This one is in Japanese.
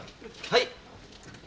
はい。